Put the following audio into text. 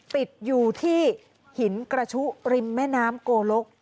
ติดอยู่ที่หินกระชุริมแม่น้ำโกลก